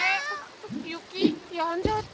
ゆきやんじゃった。